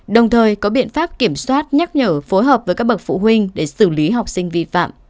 đồng thời có biện pháp kiểm soát nhắc nhở phối hợp với các bậc phụ huynh để xử lý học sinh vi phạm